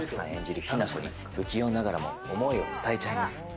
演じる雛子に不器用ながらも思いを伝えちゃいます。